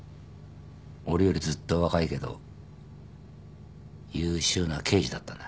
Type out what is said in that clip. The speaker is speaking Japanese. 俺よりずっと若いけど優秀な刑事だったんだ。